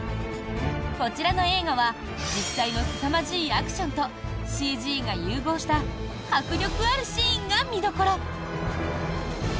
こちらの映画は実際のすさまじいアクションとＣＧが融合した迫力あるシーンが見どころ！